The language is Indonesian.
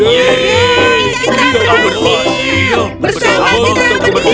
yeay kita berhasil bersama kita berdiri